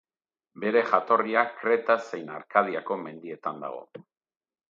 Bere jatorria Kreta zein Arkadiako mendietan dago.